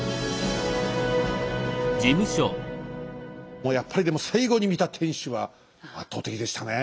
もうやっぱりでも最後に見た天主は圧倒的でしたね。